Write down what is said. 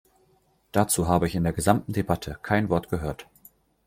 Dazu habe ich in der gesamten Debatte kein Wort gehört.